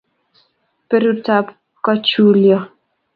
Berurto ab kachulio